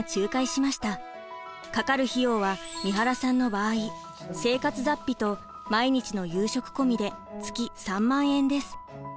かかる費用は三原さんの場合生活雑費と毎日の夕食込みで月３万円です。